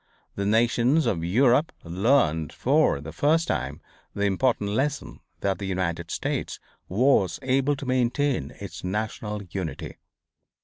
The nations of Europe learned for the first time the important lesson that the United States was able to maintain its national unity.